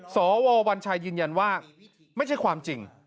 สววัญชัยยืนยันว่าไม่ใช่ความจริง